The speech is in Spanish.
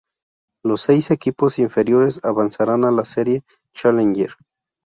Los seis equipos inferiores avanzarán a la Serie Challenger.